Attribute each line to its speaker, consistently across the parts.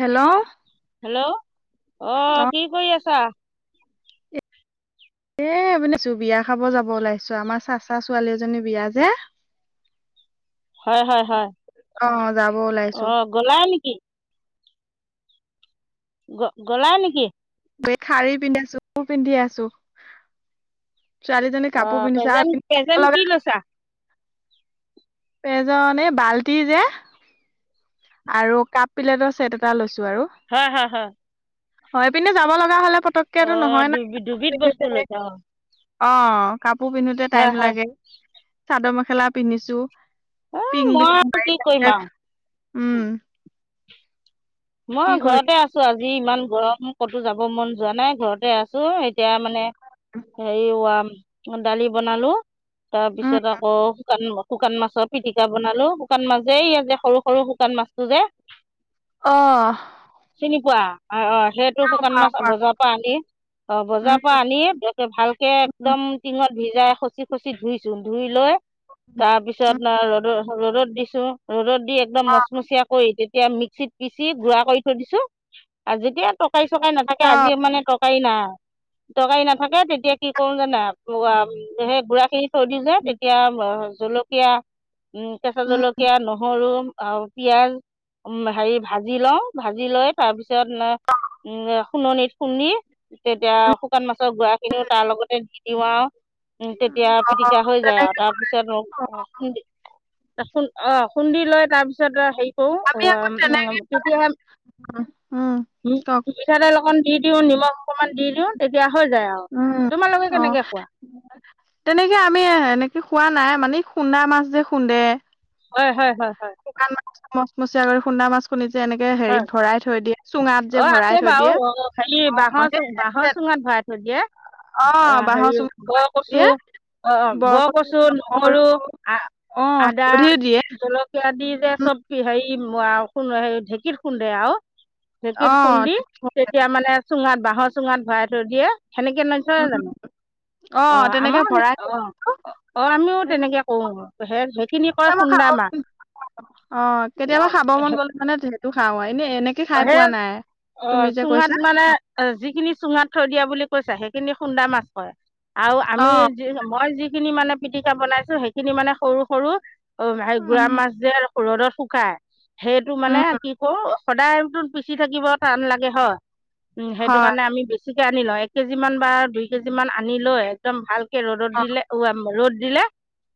Speaker 1: Hello?
Speaker 2: Hello অ', কি কৰি আছা?
Speaker 1: এই ইপিনে আছোঁ, বিয়া খাব যাব ওলাইছো আমাৰ চা চা ছোৱালী এজনী বিয়া যে।
Speaker 2: হয় হয়
Speaker 1: অ', যাব ওলাইছোঁ।
Speaker 2: গ'লায় নেকি? গ-গ'লায় নেকি?
Speaker 1: এই শাৰী পিন্ধি আছোঁ [unintelligible] পিন্ধি আছো। ছোৱালীজনী
Speaker 2: অ
Speaker 1: কাপোৰ পিন্ধিছে
Speaker 2: প্ৰেজেন্ট
Speaker 1: আৰু
Speaker 2: প্ৰেজেন্ট কি
Speaker 1: [unintelligible]
Speaker 2: লৈছা
Speaker 1: এজন এই বাল্টি যে। আৰু কাপ প্লেটৰ ছেট এটা লৈছো আৰু।
Speaker 2: হয়, হয়, হয়।
Speaker 1: অ', এইপিনে যাব লগা হ'লে
Speaker 2: অ
Speaker 1: পতককেটো নহয় নাই
Speaker 2: দুবি দুবিধ বস্তু লৈছা
Speaker 1: [unintelligible]
Speaker 2: অ
Speaker 1: অ', কাপোৰ পিন্ধোতে
Speaker 2: হয়
Speaker 1: টাইম
Speaker 2: হয়
Speaker 1: লাগে, চাদৰ-মেখেলা পিন্ধিছো।
Speaker 2: অ
Speaker 1: পিং
Speaker 2: মই আৰু কি কৰিম আৰু
Speaker 1: [unintelligible] উম। কি
Speaker 2: মই
Speaker 1: কৰি
Speaker 2: ঘৰতে আছোঁ আজি ইমান গৰম ক'তো যাব মন যোৱা নাই ঘৰতে আছোঁ। এতিয়া মানে হেৰি, দালি বনালো। তাৰ
Speaker 1: উম
Speaker 2: পিছত আকৌ শুকান শুকান মাছৰ পিটিকা বনালো, শুকান মাছ যে এইয়া যে সৰু সৰু শুকান মাছটো যে।
Speaker 1: অ'।
Speaker 2: চিনি পোৱা? অ', অ', সেইটো শুকান
Speaker 1: পাওঁ
Speaker 2: মাছ
Speaker 1: পাওঁ
Speaker 2: বজাৰৰ পৰা আনি। অ', বজাৰৰ
Speaker 1: উম
Speaker 2: পৰা আনি ভালকে
Speaker 1: উম
Speaker 2: একদম টিঙত ভিজাই খচি খচি ধুইছো, ধুই লৈ তাৰ পিছত ন ৰ'দত ৰ'দত দিছো, ৰ'দত দি একদম
Speaker 1: অ
Speaker 2: মচমচিয়া কৰি এতিয়া মিক্সিত পিচি গুড়া কৰি থৈ দিছোঁ, যেতিয়া তৰকাৰী-চৰকাৰী নাথাকে
Speaker 1: অ
Speaker 2: আজি মানে তৰকাৰি নাই, তৰকাৰী নাথাকে তেতিয়া কি কৰো জানা? সেই গুৰা খিনি থৈ দিও যে তেতিয়া জলকীয়া উম, কেঁচা জলকীয়া নহৰু আৰু পিয়াজ উম, হেৰি ভাজি লওঁ, ভাজি লৈ তাৰপিছত খুননিত খুন্দি তেতিয়া শুকান মাছৰ গুৰা খিনিও তাৰ লগতে দি দিও আৰু উম, তেতিয়া
Speaker 1: অ',
Speaker 2: পিটিকা হৈ যায়
Speaker 1: তেনেকে
Speaker 2: আৰু। তাৰপিছত
Speaker 1: অ
Speaker 2: খুন্দি খুন্দি লৈ তাৰপিছত হেৰী
Speaker 1: আমি আকৌ তেনেকে
Speaker 2: তেতিয়াহে [unintelligible]
Speaker 1: কওক
Speaker 2: মিঠাতেল অকণ দি দিওঁ, নিমখ অকণমান দি দিওঁ, তেতিয়া হৈ যায় আৰু।
Speaker 1: উম,
Speaker 2: তোমালোকে
Speaker 1: অ'।
Speaker 2: কেনেকৈ খোৱা
Speaker 1: তেনেকে আমি এনেকে খোৱা নাই, মানে খুন্দা মাছ যে খুন্দে।
Speaker 2: হয়, হয়, হয়, হয়।
Speaker 1: শুকান মাছ মচমচীয়া কৰি খুন্দা মাছ খুন্দিছে যে এনেকে হেৰিত
Speaker 2: হয়
Speaker 1: থৈ দিয়ে চুঙাত যে
Speaker 2: অঁ
Speaker 1: ভৰাই
Speaker 2: আছে
Speaker 1: থৈ
Speaker 2: বাৰু
Speaker 1: দিয়ে
Speaker 2: অঁ হেৰি বাঁহৰ চুঙ বাঁহৰ
Speaker 1: অ'।
Speaker 2: চুঙাত ভৰাই থৈ দিয়ে অ'
Speaker 1: বাঁহৰ
Speaker 2: হেৰি
Speaker 1: চুঙাত ভৰাই
Speaker 2: বৰ
Speaker 1: থৈ
Speaker 2: কচু
Speaker 1: দিয়ে
Speaker 2: অ' অ' বৰ কচু নহৰু
Speaker 1: অ',
Speaker 2: আ-আদা
Speaker 1: হালধি দিয়ে
Speaker 2: জলক কীয়া দি যে,
Speaker 1: উম,
Speaker 2: চব হেৰি [unintelligible] ঢেঁকীত খুন্দে আৰু। ঢেঁকীত
Speaker 1: অ',
Speaker 2: খুন্দি তেতিয়া মানে চুঙাত বাঁহৰ চুঙাত ভৰাই থৈ দিয়ে, সেনেকে ন থই
Speaker 1: উম,
Speaker 2: জানো, অ',
Speaker 1: তেনেকে
Speaker 2: আমাৰ
Speaker 1: ভৰাই থলো
Speaker 2: অ' অ', আমিও
Speaker 1: সেই
Speaker 2: তেনেকে কৰোঁ, সে-সেইখিনি কয়
Speaker 1: কেতিয়াবা খাব
Speaker 2: খুন্দা মাছ।
Speaker 1: অ', কেতিয়াবা
Speaker 2: অ
Speaker 1: খাব মন গ'লে মানে সেইটো খাও আৰু এনে এনে কে খাই
Speaker 2: সেই
Speaker 1: পোৱা নাই,
Speaker 2: অ
Speaker 1: তুমি যে
Speaker 2: চুঙাত
Speaker 1: কৈছা।
Speaker 2: মানে যিখিনি চুঙাত থৈ দিয়া বুলি কৈছা, সেইখিনি খুন্দা মাছ হয়, আৰু আমি
Speaker 1: অ',
Speaker 2: মই যিখিনি মানে পিটিকা বনাইছো সেইখিনি মানে সৰু সৰু অ', হেই
Speaker 1: উম,
Speaker 2: গুৰা মাছ যে ৰ'দত শুকাই, সেইটো মানে
Speaker 1: উম,
Speaker 2: সদায়টো পিচি থাকিব টান লাগে হয়, উম সেইটো
Speaker 1: হয়,
Speaker 2: কাৰণে আমি বেছিকে আনি লওঁ, এক কেজি মান বা দুই কেজি মান আনি লৈ একদম ভাল ৰ'দত
Speaker 1: অ',
Speaker 2: দিলে ওৱাই ৰ'দ দিলে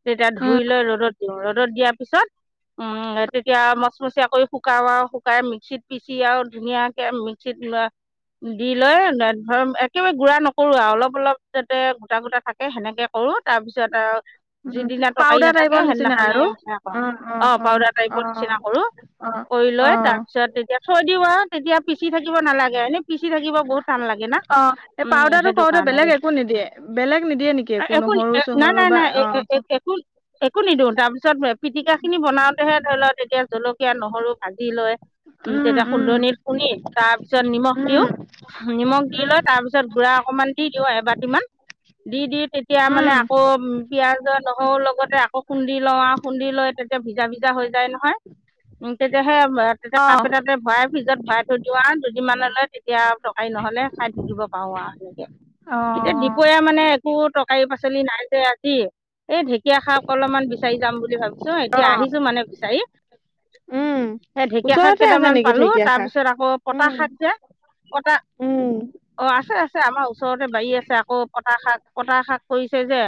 Speaker 2: তেতিয়া ধুই
Speaker 1: উম,
Speaker 2: লৈ ৰ'দত ৰ'দত দিয়াৰ পিছত উম, তেতিয়া মচমচীয়া কৈ শু শুকাও আৰু শুকাই মিক্সিত পিচি আৰু ধুনীয়াকে মিক্সিত অ দি লৈ ধৰ একেবাৰে গুৰা নকৰো আৰু অলপ যাতে গোটা গোটা থাক সেনেকে কৰোঁ তাৰপিছত আৰু
Speaker 1: উম,
Speaker 2: যিদিনা তৰকাৰি
Speaker 1: পাউদাৰ
Speaker 2: নাথাকে
Speaker 1: টাইপৰ নিচিনা
Speaker 2: সেইদিনাখনে
Speaker 1: আৰু।
Speaker 2: সেইয়া কৰো, অ' পাউদাৰ টাইপৰ নিচিনা কৰোঁ।
Speaker 1: অ',
Speaker 2: কৰি লৈ
Speaker 1: অ'।
Speaker 2: তাৰপিছত তেতিয়া থৈ দিওঁ আৰু তেতিয়া পিচি থাকিব নালাগে এনেই পিচি থাকিব বহুত টান লাগে না।
Speaker 1: অ', এই
Speaker 2: উম
Speaker 1: পউদাৰটো
Speaker 2: সেইটো
Speaker 1: কৰোঁতে
Speaker 2: কাৰণে
Speaker 1: বেলেগ একো নিদিয়ে, বেলেগ নিদিয়ে নেকি একো নহৰু চহৰু বা অ',
Speaker 2: এ-এ-এ-একো একো নিদিওঁ, তাৰপিছত পিটিকা খিনি বনাওতেহে ধৰি লওক তেতিয়া জলক কিয়া নহৰু ভাজি লৈ উম তেতিয়া খুন্দনিত খুন্দি তাৰ পিছত নিমখ দিওঁ।
Speaker 1: উম,
Speaker 2: নিমখ দি
Speaker 1: উম,
Speaker 2: লয় তাৰপিছত গুড়া অকমান দি দিওঁ এবাটিমান, দি দি তেতিয়া
Speaker 1: উম,
Speaker 2: মানে আকৌ উ পিয়াজ আৰু নহৰুৰ লগতে আকৌ খুন্দি লও আৰু খুন্দি লৈ তেতিয়া ভিজা ভিজা হৈ যায় নহয়। উম তেতিয়া সেই তেতিয়া কাপ
Speaker 1: অ',
Speaker 2: এতাতে ভৰাই ফ্ৰিজত ভৰাই থৈ দিওঁ আৰু যদি মানে লয় তেতিয়া আৰু তৰকাৰী নহলে খাই থাকিব পাৰো আৰু এনেকে। এতিয়া
Speaker 1: অ',
Speaker 2: দুপৰীয়া মানে একো তৰকাৰি পাচলি নাই যে আজি। এই ঢেঁকীয়া শাক অলপমান বিচাৰি যাম বুলি ভাবিছো এতিয়া আহিছো মানে বিচাৰি।
Speaker 1: [inaudible]
Speaker 2: এ ঢেকীয়া শাক
Speaker 1: ওচৰতে আছে
Speaker 2: কেইটামান
Speaker 1: নেকি
Speaker 2: পালো
Speaker 1: ঢেকীয়াখা?
Speaker 2: তাৰপিছত আকৌ
Speaker 1: উম,
Speaker 2: পতাহ শাক যে পটা
Speaker 1: উম,
Speaker 2: অ আছে আছে আমাৰ ওচৰতে বাৰী আছে আকৌ পটা শাক পটা শাক কৰিছে যে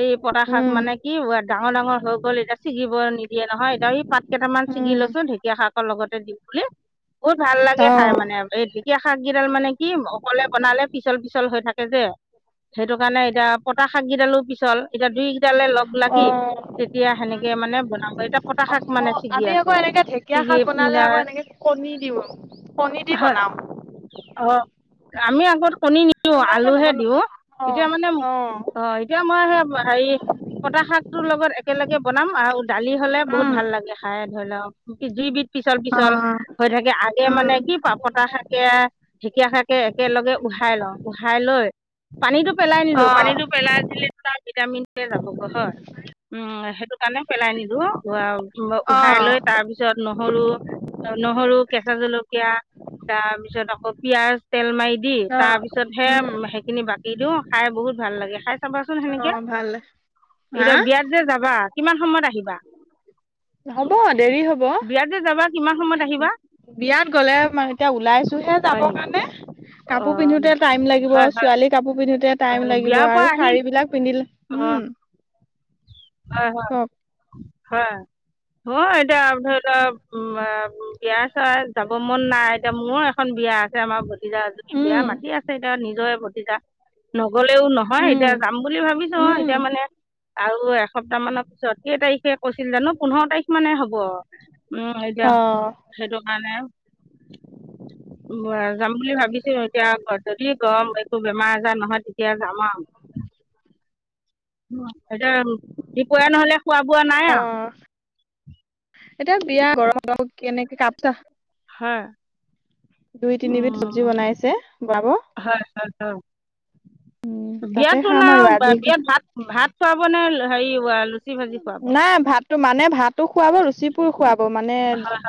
Speaker 2: এই পতা শাক
Speaker 1: উম,
Speaker 2: মানে কি ডাঙৰ ডাঙৰ হৈ গ'ল এতিয়া ছিগিব নিদিয়ে নহয় এতিয়া সেই পাত কেইটামান ছিগি
Speaker 1: উম,
Speaker 2: লৈছো ঢেকীয়া শাকৰ লগতে দিম বুলি, বহুত ভাল লাগে
Speaker 1: অ',
Speaker 2: খাই মানে আৰু এই ঢেঁক ঢেঁকীয়া শাককেইডাল মানে কি অকলে বনালে পিচল পিচল হৈ থাকে যে সেইটো কাৰণ এতিয়া পতা শাকগিদালো পিছ [inaudible] এতিয়া দুইকেইটালে লগ লাগি
Speaker 1: অ'।
Speaker 2: তেতিয়া সেনেকে মানে বনাব এতিয়া পতা শাক মানে
Speaker 1: অঁ!
Speaker 2: ছিগি
Speaker 1: আমি
Speaker 2: আছো
Speaker 1: আকৌ এনেকে ঢেকীয়া
Speaker 2: ছিগি
Speaker 1: শাক
Speaker 2: উম,
Speaker 1: বনালে
Speaker 2: আ,
Speaker 1: আকৌ এনেকে কণী দিওঁ, কণী দি
Speaker 2: হয়
Speaker 1: বনাওঁ।
Speaker 2: অ আমি আগত কণী নিদিওঁ
Speaker 1: তোমালোকে
Speaker 2: আলুহে দিওঁ
Speaker 1: নবনোৱা অ
Speaker 2: এতিয়া মানে
Speaker 1: অ
Speaker 2: অ এতিয়া মই সেই হাৰি পটা শাকটোৰ লগত একেলগে বনাম আৰু দালি হ'লে বহুত
Speaker 1: উম
Speaker 2: ভাল লাগে। খাই ধৰি লওক দুইবিধ
Speaker 1: অ
Speaker 2: পিছল-পিছল হৈ থাকে আগে মানে
Speaker 1: উম
Speaker 2: কি পতা শাক তেতিয়া ঢেকীয়া শাকে একেলগে উহাই লওঁ, উহাই লৈ পানীটো পেলাই
Speaker 1: অ
Speaker 2: নিদিওঁ পানীটো পেলাই দিলে তাৰ ভিটামিনৱে যাব। হয়, উম সেইটো কাৰণে পেলাই নিদিওঁ
Speaker 1: অ
Speaker 2: উহাই লৈ তাৰ তাৰ পিছত নহৰু-নহৰু, কেঁচা জলকীয়া তাৰ পিছত আকৌ পিঁয়াজ তেল মাৰি দি
Speaker 1: অ
Speaker 2: তাৰ পিছতহে
Speaker 1: উম
Speaker 2: সেইখিনি বাকি দিওঁ খাই বহুত ভাল লাগে, খাই চাবা চোন সেনেকে।
Speaker 1: ভালে। হা!
Speaker 2: বিয়াত এতিয়া যাবা, কিমান সময়ত আহিবা?
Speaker 1: হ'ব দেৰি হ'ব।
Speaker 2: বিয়াত যে যাবা কিমান সময়ত আহিবা
Speaker 1: বিয়াত গ'লে মই এতিয়া ওলাইছোঁ। হে
Speaker 2: হয়
Speaker 1: যাবৰ
Speaker 2: নেকি
Speaker 1: কাৰণে কাপোৰ
Speaker 2: অঁ
Speaker 1: পিন্ধোতে টাইম লাগিব
Speaker 2: হয়
Speaker 1: আৰু
Speaker 2: হয়
Speaker 1: ছোৱালী কাপোৰ পিন্ধো [unintelligible]
Speaker 2: অ,
Speaker 1: টাইম লাগিব
Speaker 2: বিয়াৰ পৰা
Speaker 1: আৰু
Speaker 2: আহি
Speaker 1: শাৰী বিলাক পিন্ধিলে
Speaker 2: অঁ
Speaker 1: উম
Speaker 2: হয়-হয়,
Speaker 1: কওক
Speaker 2: হয়। অ! এতিয়া ধৰি লৱ উম বিয়া চৰা যাব মন নাই এতিয়া মোৰো এখন বিয়া আছ আছে আমাৰ ভতিজা এজনী বিয়া
Speaker 1: উম
Speaker 2: মাতি আছে এতিয়া নিজৰে ভতিজা। নগ'লেও নহয়
Speaker 1: উম
Speaker 2: এতিয়া যাম বুলি ভাবিছোঁ
Speaker 1: উম
Speaker 2: এতিয়া মানে আৰু এসপ্তাহ মানৰ পিছত কেই তাৰিখে কৈছিল জানো পোন্ধৰ তাৰিখ মানে হ'ব। উম! এতিয়া
Speaker 1: অ
Speaker 2: সেইটো কাৰণে
Speaker 1: [inaudible]
Speaker 2: [unintelligible] যাম বুলি ভাবিছোঁ এতিয়া যদি গৰম একো বেমাৰ আজাৰ নহয় তেতিয়া যাম আৰু। উম এতিয়া দুপৰীয়া নহ'লে খোৱা বোৱা নাই আৰু।
Speaker 1: অ এতিয়া বিয়া ঘৰ [unintelligible] কেনেকে কাপ চা
Speaker 2: হয়।
Speaker 1: দুই-তিনিবিধ চব্জি বনাইছে খোৱাব।
Speaker 2: হয়-হয়-হয়,
Speaker 1: উম, তাতে
Speaker 2: বিয়াত
Speaker 1: খাম আৰু
Speaker 2: বনাওঁ
Speaker 1: আজি
Speaker 2: বিয়াত ভাত ভাত খোৱাব নে হেৰি আহ‌ লুচি ভাজি? খুৱাব
Speaker 1: নাই ভাতটো মানে ভাতো খোৱাব, লুচি [inaudible] খুৱাব মানে
Speaker 2: হয় হয়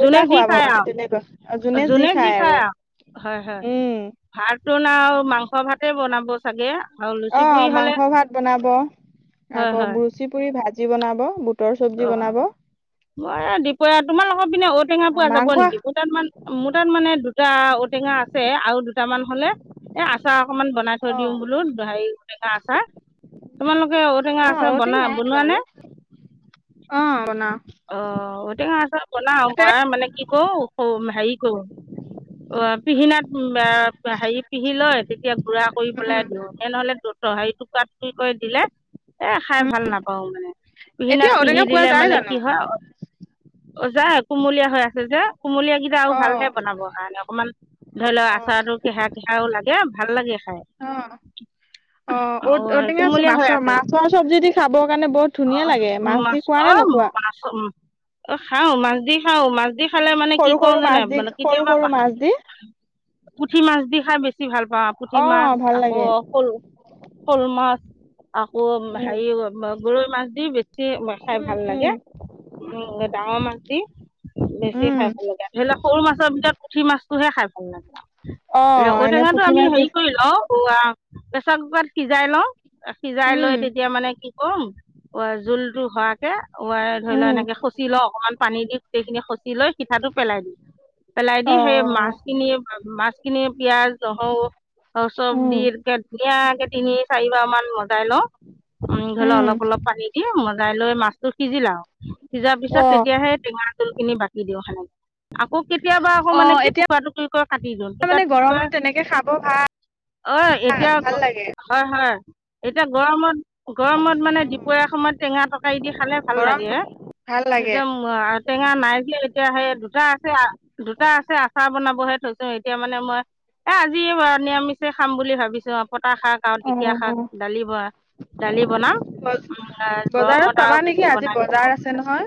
Speaker 2: যোনে যি
Speaker 1: খুৱাব
Speaker 2: খায়
Speaker 1: মানে
Speaker 2: আৰু
Speaker 1: তেনেকুৱা যোনে যি খায় আৰু।
Speaker 2: হয়-হয়,
Speaker 1: উম
Speaker 2: ভাতটো ন আৰু মাংস ভাতে বনাব চাগে? আৰু লুচি
Speaker 1: অঁ!
Speaker 2: পুৰি হ'লে
Speaker 1: মাংস ভাত বনাব।
Speaker 2: হয়
Speaker 1: আকৌ
Speaker 2: হয়
Speaker 1: ৰুচি পুৰি ভাজি বনাব, বুটৰ
Speaker 2: অ
Speaker 1: চব্জি বনাব।
Speaker 2: মই এই দুপৰীয়া তোমালোকৰ পিনে ঔটেঙা পোৱা যাব
Speaker 1: মাংস
Speaker 2: নেকি? মোৰটাত মানে দুটা ঔটেঙা আছে আৰু দুটামান হ'লে এই আচাৰ অকমান বনাই থৈ
Speaker 1: অ
Speaker 2: দিওঁ বোলো হেৰি ঔ টেঙা আচাৰ। তোমালোকে ঔটেঙা
Speaker 1: অ
Speaker 2: আচাৰ বনা বনোৱা নে?
Speaker 1: অঁ বনাওঁ।
Speaker 2: অঁ ঔটেঙা আচাৰ বনাওঁ মানে কি কৰোঁ [unintelligible] হেৰি কৰোঁ। অ পিহিনাত [unintelligible] হেৰি পিহি লয় তেতিয়া গুড়া কৰি
Speaker 1: উম
Speaker 2: পেলাই দিওঁ। এনেহ'লে ত হেৰি টুকুৰা টুকুৰি কৰি দিলে এ খাই
Speaker 1: উম
Speaker 2: ভাল নাপাওঁ মানে। পিহিনাাক
Speaker 1: এতিয়া
Speaker 2: পিহি
Speaker 1: ঔটেঙা পোৱা
Speaker 2: দিলে
Speaker 1: যায়
Speaker 2: মানে
Speaker 1: জানো
Speaker 2: [unintelligible] কুমলীয়া হৈ আছে যে, কুমলীয়া [unintelligible] [unintelligible] আৰু
Speaker 1: অ
Speaker 2: ভালহে বনাবৰ কাৰণে, অকমান
Speaker 1: অ
Speaker 2: ধৰি লওঁক
Speaker 1: অ
Speaker 2: আচাৰটো কেহা-কেহাও লাগে ভাল লাগে খাই।
Speaker 1: অ অ ঔ
Speaker 2: সেই
Speaker 1: টেঙা [unintelligible]
Speaker 2: কুমলীয়া হৈ
Speaker 1: মাছৰ
Speaker 2: আছে অ',
Speaker 1: মাছৰ চব্জি দি খাব কাৰণে বহুত ধুনীয়া লাগে, মাছ দি খোৱা নে নোখোৱা?
Speaker 2: মাছ উ অ খাওঁ মাছ দি খাওঁ মাছ দি খালে মানে কি
Speaker 1: সৰু
Speaker 2: কৰো
Speaker 1: সৰু
Speaker 2: জানে
Speaker 1: মাছ দি
Speaker 2: মানে
Speaker 1: সৰু
Speaker 2: কেতিয়াবা
Speaker 1: সৰু মাছ দি
Speaker 2: পুঠি মাছ দি খাই বেছি ভাল পাওঁ পুঠি
Speaker 1: অ
Speaker 2: মাছ
Speaker 1: ভাল
Speaker 2: আকৌ
Speaker 1: লাগে
Speaker 2: শ'ল শ'ল মাছ, আকৌ
Speaker 1: উম
Speaker 2: হেৰি গৰৈ মাছ দি [unintelligible] [unintelligible] খাই
Speaker 1: উম
Speaker 2: ভাল লাগে,
Speaker 1: উম
Speaker 2: উ ডাঙৰ। [unintelligible] বেছি
Speaker 1: উম
Speaker 2: খাই ভাল লাগে। ধৰি লক সৰু মাছৰ ভিতৰত পুঠি মাছটোহে খাই ভাল। [unintelligible]
Speaker 1: অ
Speaker 2: ৰ ঔ
Speaker 1: এনে
Speaker 2: টেঙাটো
Speaker 1: পুঠি
Speaker 2: আমি
Speaker 1: মাছ দি
Speaker 2: হেৰি কৰি লও, [unintelligible] প্ৰেচাৰ কুকাৰত সিজাই লওঁ, সিজাই লৈ
Speaker 1: উম
Speaker 2: তেতিয়া মানে কি ক'ম, [unintelligible] জোলটো হোৱাকে, [unintelligible] ধৰি লোৱা
Speaker 1: উম
Speaker 2: এনেকে খচি লওঁ, অকনমান পানী দি গোটেইখিনি খচি লৈ পিঠাটো পেলাই দিম। পেলাই দি
Speaker 1: অ
Speaker 2: সেই মাছখিনি পিঁয়াজ, নহৰু, [unintelligible] চব
Speaker 1: উম
Speaker 2: দি [unintelligible] ধুনীয়াকে তিনি চাৰিবাৰ মান [unintelligible] লওঁ, ধৰি ল
Speaker 1: উম
Speaker 2: অলপ পানী দি মজাই লৈ মাছটো সিজিল আও সিজাৰ পিছত
Speaker 1: অ
Speaker 2: তেতিয়াহে টেঙা [unintelligible] খিনি বাকি দিওঁ [unintelligible] আকৌ কেতিয়াবা আকৌ
Speaker 1: অ
Speaker 2: মানে কি,
Speaker 1: এতিয়া
Speaker 2: টুকুৰা-টুকুৰি কৈ কাটি দিওঁ
Speaker 1: মানে
Speaker 2: টু
Speaker 1: গৰমত তেনেকে খাব ভাল
Speaker 2: অ এতিয়া
Speaker 1: ভাল
Speaker 2: [unintelligible]
Speaker 1: লাগে
Speaker 2: হয় হয়, এতিয়া গৰমত-গৰমত মানে দপৰীয়া সময়ত টেঙা [unintelligible] খালে ভাল
Speaker 1: গৰম
Speaker 2: লাগে,
Speaker 1: ভাল লাগে
Speaker 2: [unintelligible] টেঙা নাই [unintelligible] এতিয়া সেই দুটা আছে, দুটা আছে আচাৰ বনাবহে থৈছোঁ, এতিয়া মানে মই এ আজি নিৰামিষে খাম বুলি ভাবিছো পতা শাক [unintelligible]
Speaker 1: অ
Speaker 2: ঢেকীয়া শাক দালি ব দালি বনাম, উম
Speaker 1: বজাৰত
Speaker 2: গৰমত
Speaker 1: পাবা
Speaker 2: আৰু বেছি
Speaker 1: নেকি আজি
Speaker 2: বনাই দিব
Speaker 1: বজাৰ আছে নহয়?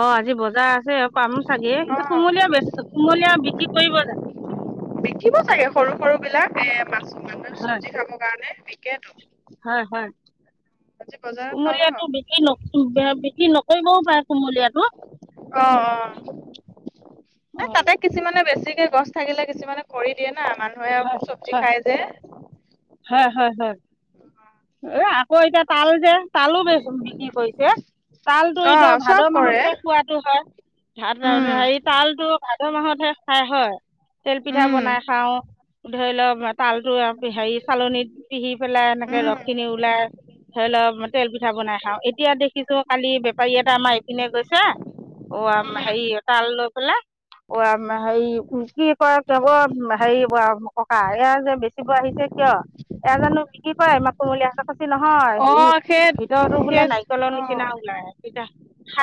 Speaker 2: অ আজি বজাৰ আছে [unintelligible] পামো চাগে, কিন্তু
Speaker 1: অ
Speaker 2: কুমলীয়া বে কুমলীয়া বিক্ৰী কৰিব জানো?
Speaker 1: বিকিব চাগে সৰু সৰু বিলাক, এ মাছ, মানহে
Speaker 2: হয়
Speaker 1: চব্জি খাব কাৰণে [unintelligible]
Speaker 2: হয় হয়,
Speaker 1: আজি বজাৰত পাব অ
Speaker 2: কুমলীয়াটো [unintelligible] বিক্ৰী নকৰিবও পাৰে কুমলীয়াটো।
Speaker 1: অ অ
Speaker 2: অ
Speaker 1: এই তাতে কিছুমানে বেছিকে গছ থাকিলে কিছুমানে কৰি দিয়ে না, মানুহে
Speaker 2: হয়
Speaker 1: [unintelligible] চব্জি
Speaker 2: হয়
Speaker 1: খাই যে!
Speaker 2: হয় হয় হয়। এ আকৌ এতিয়া তাল যে, তালো [unintelligible] বিক্ৰী কৰিছে। তালতো
Speaker 1: অ
Speaker 2: এতিয়া
Speaker 1: চব
Speaker 2: ভাদ
Speaker 1: কৰে।
Speaker 2: মাহতে খোৱাতো হয়।
Speaker 1: উম
Speaker 2: [unintelligible] তালতটো আদ মাহতহে খাই হয়! তেল পিঠা
Speaker 1: উম।
Speaker 2: বনাই খাওঁ, ধৰি লওক, তালতো হেৰি চালনিত পিহি পেলাই এনেকে
Speaker 1: উম
Speaker 2: ৰস খিনি ওলাই ধৰি লওক তেল পিঠা বনাই খাওঁ, এতিয়া দেখিছো কালি বেপাৰী এটা আমাৰ এইপিনে গৈছে‌ অ'
Speaker 1: উম
Speaker 2: হেৰি তাল লৈ পেলাই, [unintelligible] হেৰি কি কয়, [unintelligible] হেৰি ককা, এয়া যে বেচিব আহিছে কিয়? এয়া জানো বিকি কৰে! ইমান মাকুমলীয়া [unintelligible] [unintelligible] নহয়
Speaker 1: অ
Speaker 2: সি
Speaker 1: সেই
Speaker 2: ভিতৰতো বোলে
Speaker 1: সেই
Speaker 2: নাৰিকলৰ
Speaker 1: অ।
Speaker 2: নিচিনা ওলায়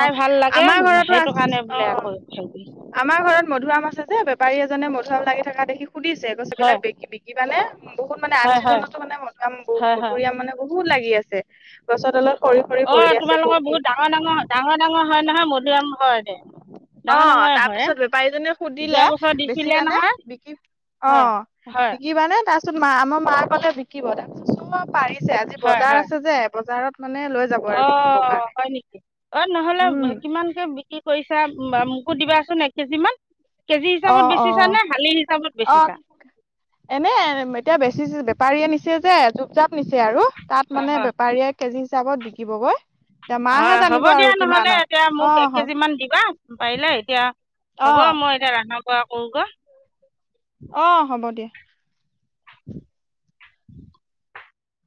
Speaker 1: অ
Speaker 2: ভাল লাগে,
Speaker 1: আমাৰ ঘৰতো
Speaker 2: সেইটো
Speaker 1: আছ
Speaker 2: কাৰণে বোলে
Speaker 1: অ।
Speaker 2: আকৌ হেৰি কৰিছে।
Speaker 1: আমাৰ ঘৰত মধুৰাম আছে যে, বেপাৰী এজনে মধুৰাম লাগি থকা দেখি সুধিছে, গছ
Speaker 2: হয়
Speaker 1: এইবিলাক বিক- বিকিবানে বহুত মানে আন
Speaker 2: হয় হয়
Speaker 1: চিজনতো মধুৰাম
Speaker 2: হয় হয়
Speaker 1: মধুৰিআম মানে বহুত লাগি আছে। গছৰ তলত খৰি, খৰি পৰি আছে পকি।
Speaker 2: ডাঙ ডাঙৰ, ডাঙৰ ডাঙৰ, হয় নহয় মধুৰিআম ঘৰতে।
Speaker 1: অ', তাৰপিছত বেপাৰীজনীয়ে
Speaker 2: যোৱা
Speaker 1: সুধিলে,
Speaker 2: বছৰ দিছিলে
Speaker 1: বেছিবানে
Speaker 2: নহয়
Speaker 1: বিক
Speaker 2: হয়
Speaker 1: অ',
Speaker 2: হয়
Speaker 1: বিকিবানে তাৰ মা আমাৰ মাৰ ক'লে বিকিব [unintelligible] পাৰিছে আজি বজাৰ আছে যে, বজাৰত মানে লৈ যাব আৰু বিকিবৰ
Speaker 2: অ'
Speaker 1: কাৰণে
Speaker 2: হয় নেকি, অ'
Speaker 1: উম
Speaker 2: নহ'লে কিমানকে বিক্ৰী কৰিছা, মোকো দিবাচোন এক কেজি মান। কেজি
Speaker 1: অ
Speaker 2: হিচাপত বেছিচা নে,
Speaker 1: অ
Speaker 2: শালি হিচাপত
Speaker 1: অ
Speaker 2: বেছিচা?
Speaker 1: এনে এতিয়া বেছি, বেপাৰীয়ে নিছে যে এযোৰ জাপ নিছে আৰু, তাত
Speaker 2: হয়
Speaker 1: মানে
Speaker 2: হয়
Speaker 1: বেপাৰীয়ে কেজি হিচাপত বিকিবগৈ। এতিয়া মাহে
Speaker 2: হয়, হ'ব
Speaker 1: জানিব আৰু
Speaker 2: দিয়া নহ'লে
Speaker 1: কিমানত
Speaker 2: এতিয়া মোক
Speaker 1: অ'
Speaker 2: এক
Speaker 1: হ
Speaker 2: কেজি মান দিবা পাৰিলে এতিয়া, হ'ব
Speaker 1: অ'
Speaker 2: মই এতিয়া ৰান্ধা বঢ়া কৰো গৈ।
Speaker 1: অ', হ'ব দিয়া।
Speaker 2: [inaudible]